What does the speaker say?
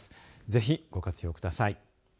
ぜひ、ご活用ください。